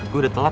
gue udah telap